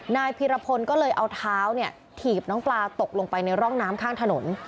นายพีรพลก็เลยเอาเท้าเนี่ยถีบน้องปลาตกลงไปในร่องน้ำข้างถนน